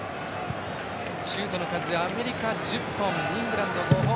シュートの数はアメリカが１０本イングランド、５本。